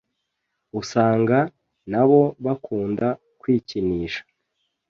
usanga nabo bakunda kwikinisha.